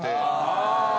ああ。